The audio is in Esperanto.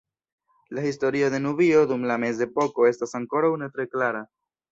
La historio de Nubio dum la mezepoko estas ankoraŭ ne tre klara.